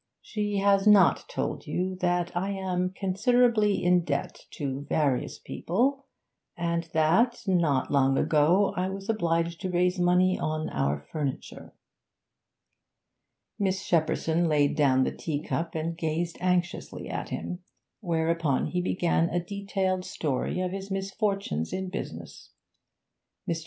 'She has not told you that I am considerably in debt to various people, and that, not long ago, I was obliged to raise money on our furniture.' Miss Shepperson laid down the tea cup and gazed anxiously at him, whereupon he began a detailed story of his misfortunes in business. Mr.